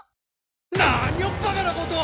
何をバカなことを！